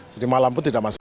malam pun tidak masalah